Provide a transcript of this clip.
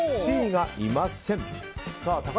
Ｃがいません！